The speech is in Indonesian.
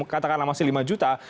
katakanlah masih lima juta